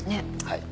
はい。